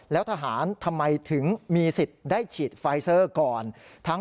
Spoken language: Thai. แล้วทหารทำไมถึงมีสิทธิ์ได้ฉีดไฟเซอร์ก่อน